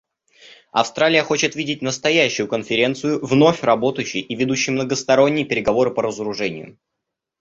Австралия хочет видеть настоящую Конференцию вновь работающей и ведущей многосторонние переговоры по разоружению.